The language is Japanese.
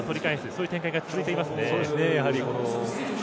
そういう展開が続いていますね。